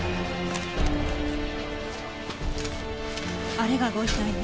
あれがご遺体ね。